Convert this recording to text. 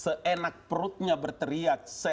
seenak perutnya berteriak